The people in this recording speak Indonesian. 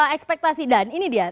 ekspektasi dan ini dia